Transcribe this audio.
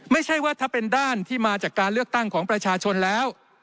ไม่ใช่ว่าถ้าเป็นด้านที่มาจากการเลือกตั้งของประชาชนแล้ว